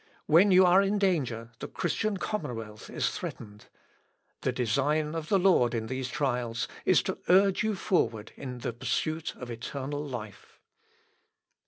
When you are in danger, the Christian commonwealth is threatened. The design of the Lord in these trials is to urge you forward in the pursuit of eternal life."